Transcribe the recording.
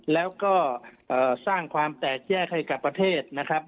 แล้วก็สร้างความแตกแยกให้กับประเทศนะครับ